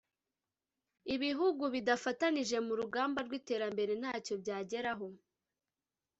Ibihugu bidafatanyije mu rugamba rw’iterambere ntacyo byageraho